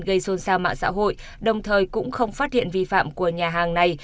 gây xôn xa mạng xã hội đồng thời cũng không phát hiện vi phạm của nhà hàng này